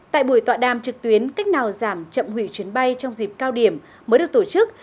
tại buổi tọa đàm trực tuyến cách nào giảm chậm hủy chuyến bay trong dịp cao điểm mới được tổ chức